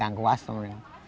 yang kagum kuas